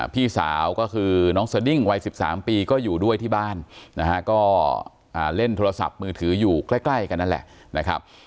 พี่สาวก็คือน้องสดิ้งวัย๑๓ปีก็อยู่ด้วยที่บ้านนะฮะก็เล่นโทรศัพท์มือถืออยู่ใกล้กันนั่นแหละนะครับ